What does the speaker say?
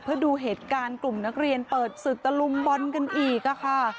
เพื่อดูเหตุการณ์กลุ่มนักเรียนเปิดศึกตะลุมบอลกันอีกค่ะ